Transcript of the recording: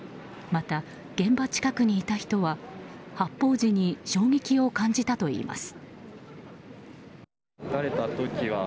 また、現場近くにいた人は発砲時に衝撃を感じたといいます。